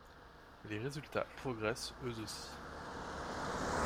Les résultats progressent eux aussi.